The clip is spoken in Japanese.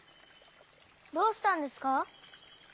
どうしたんですか？